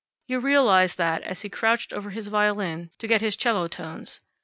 You realized that as he crouched over his violin to get his cello tones.